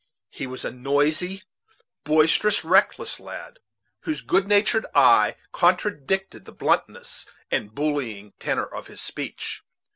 He was a noisy, boisterous, reckless lad, whose good natured eye contradicted the bluntness and bullying tenor of his speech.